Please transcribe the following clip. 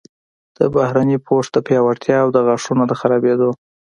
د بهرني پوښ د پیاوړتیا او د غاښونو د خرابیدو